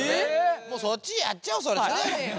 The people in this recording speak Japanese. もうそっちやっちゃおう！やんねえよ。